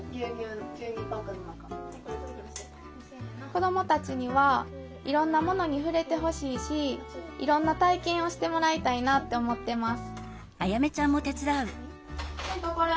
子どもたちにはいろんなものに触れてほしいしいろんな体験をしてもらいたいなって思ってます